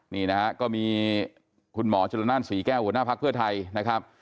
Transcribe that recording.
นี่นะฮะก็มีคุณหมอจุลนั่นศรีแก้วหัวหน้าภักดิ์เพื่อไทยนะครับ